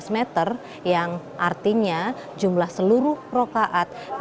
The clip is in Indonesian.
lima belas meter yang artinya jumlah seluruh rokaat